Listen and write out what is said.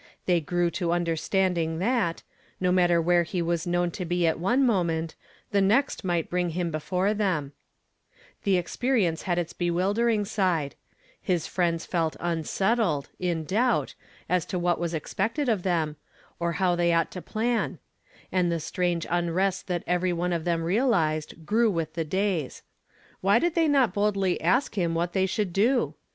They 335 " "V.X11. j xiev ofrew to understanding that, no matter where he was known to be at one moment, the next might bring Imn before ^em The experience had its bewildering side His friends felt unsettled, in doubt, as to what was expected of them, or how they ought to plan ; and the strange unrest that every one of them realized grew with the days. Why did they not boldly ask him what they sliould do?